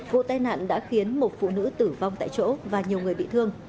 vụ tai nạn đã khiến một phụ nữ tử vong tại chỗ và nhiều người bị thương